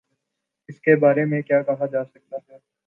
اس کے بارے میں کیا کہا جا سکتا ہے۔